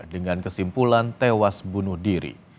dengan kesimpulan tewas bunuh diri